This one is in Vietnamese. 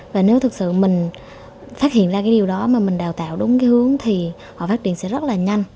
và nếu thực sự mình phát hiện ra cái điều đó mà mình đào tạo đúng cái hướng thì họ phát triển sẽ rất là nhanh